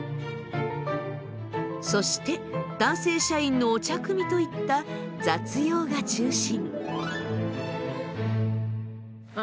そして男性社員のお茶くみといった雑用が中心。